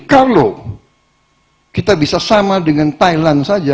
kalau kita bisa sama dengan thailand saja